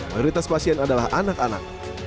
mayoritas pasien adalah anak anak